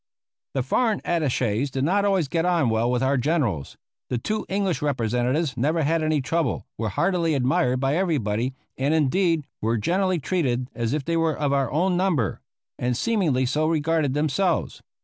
The foreign attaches did not always get on well with our generals. The two English representatives never had any trouble, were heartily admired by everybody, and, indeed, were generally treated as if they were of our own number; and seemingly so regarded themselves.